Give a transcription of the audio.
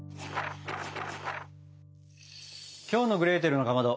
きょうの「グレーテルのかまど」